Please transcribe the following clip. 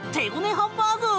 ハンバーグ！